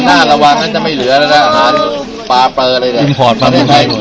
กินอาหารญี่ปุ่นก็หมดแล้ว